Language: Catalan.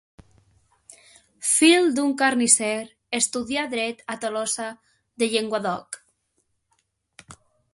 Fill d'un carnisser, estudià dret a Tolosa de Llenguadoc.